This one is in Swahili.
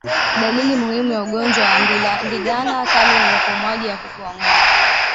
Dalili muhimu ya ugonjwa wa ndigana kali ni upumuaji hafifu wa ngombe